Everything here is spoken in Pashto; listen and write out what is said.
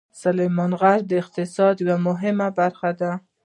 سلیمان غر د اقتصاد یوه مهمه برخه ده.